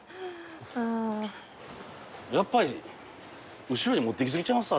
やっぱり後ろに持ってき過ぎちゃいます？